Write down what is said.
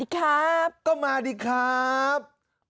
ก็มาดิครับ